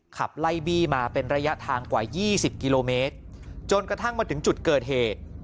ขับไล่บี้มาเป็นระยะทางกว่า๒๐กิโลเมตรจนกระทั่งมาถึงจุดเกิดเหตุ